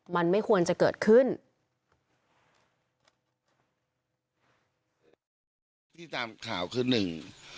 มันไม่ควรจะเกิดขึ้น